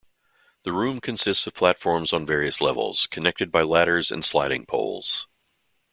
The rooms consist of platforms on various levels, connected by ladders and sliding poles.